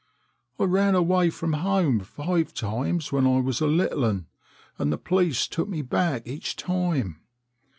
T ran away from home five times when I was a little 'un, and the police took me back each time.